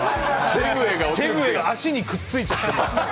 セグウェイが足にくっついちゃって。